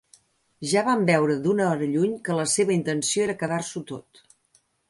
Ja vam veure d'una hora lluny que la seva intenció era quedar-s'ho tot.